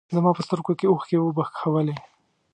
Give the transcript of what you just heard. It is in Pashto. زما په سترګو کې اوښکې وبهولې.